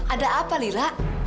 ada apa lila